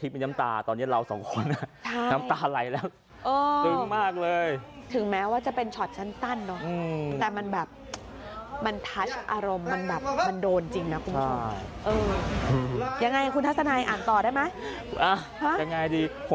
ผมซึ้งกับคุณพ่อกับคุณแม่